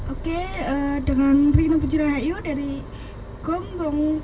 oke dengan rina bujrayu dari gombong